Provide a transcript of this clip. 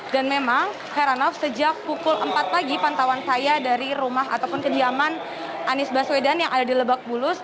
dan memang heranov sejak pukul empat pagi pantauan saya dari rumah ataupun kediaman anies baswedan yang ada di lebak pulus